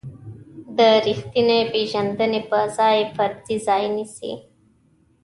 د ریښتینې پېژندنې په ځای فرضیې ځای نیسي.